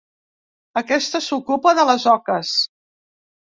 Aquesta s'ocupa de les oques.